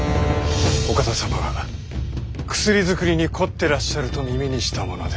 お方様が薬作りに凝ってらっしゃると耳にしたもので。